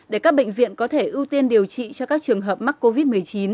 để các bệnh viện có thể ưu tiên điều trị cho các trường hợp mắc covid một mươi chín